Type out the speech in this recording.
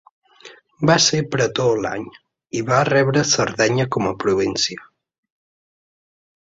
Va ser pretor l'any i va rebre Sardenya com a província.